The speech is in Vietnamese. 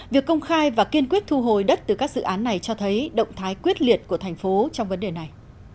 việc công khai và kiên quyết thu hồi đất từ các dự án này cho thấy động thái quyết liệt của thành phố trong vấn đề này